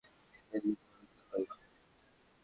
তিনি তীর নিক্ষেপে অত্যন্ত পারদর্শী ও অভ্যস্থ ছিলেন।